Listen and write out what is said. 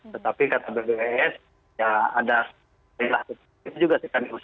tetapi kata bbws ya ada